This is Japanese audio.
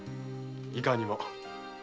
いかにも。